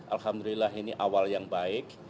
alhamdulillah ini awal yang baik